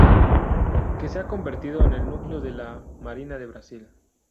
Que se ha convertido en el núcleo de la Marina de Brasil.